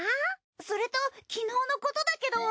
それと昨日のことだけど。